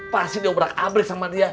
pasti diobrak abret sama dia